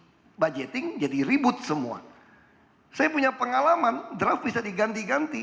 makanya saya mau buat e budgeting jadi ribut semua saya punya pengalaman draft bisa diganti ganti